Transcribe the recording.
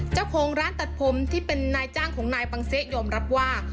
เจ้าของร้านตัดผมที่เป็นนายจ้างของนายปังเซะยอมรับว่า